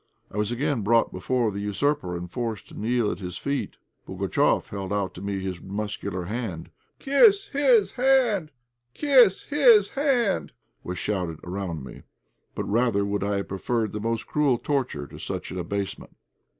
I was again brought before the usurper and forced to kneel at his feet. Pugatchéf held out to me his muscular hand. "Kiss his hand! kiss his hand!" was shouted around me. But rather would I have preferred the most cruel torture to such an abasement.